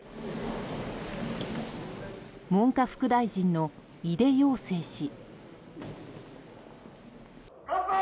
文科副大臣の井出庸生氏。